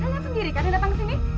kalian sendiri yang datang ke sini